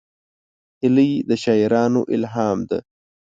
هیلۍ د شاعرانو الهام ده